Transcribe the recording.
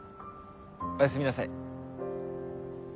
おやすみなさい。